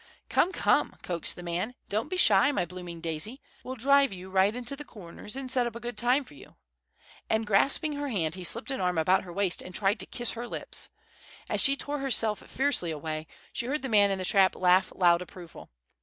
"Come, come," coaxed the man, "don't be shy, my blooming daisy. We'll drive you right in to the Corners and set up a good time for you." And, grasping her hand, he slipped an arm about her waist and tried to kiss her lips. As she tore herself fiercely away, she heard the man in the trap laugh loud approval.